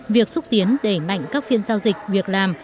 việc xúc tiến đẩy mạnh các phiên giao dịch việc làm